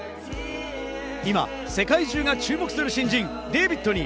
今、世界中が注目する新人・ｄ４ｖｄに